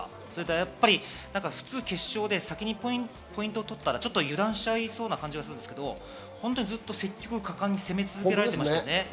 やっぱり決勝で先にポイントを取ったらちょっと油断しちゃいそうなところなんですけど、ずっと積極果敢に攻め続けられてました。